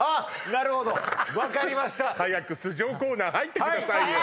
なるほど分かりました早く素性コーナー入ってくださいよ